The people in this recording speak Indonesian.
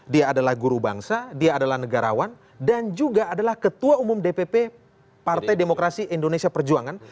dia adalah guru bangsa dia adalah negarawan dan juga adalah ketua umum dpp partai demokrasi indonesia perjuangan